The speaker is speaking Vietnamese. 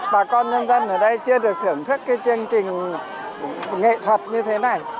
bà con nhân dân ở đây chưa được thưởng thức cái chương trình nghệ thuật như thế này